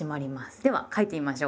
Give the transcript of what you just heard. では書いてみましょう。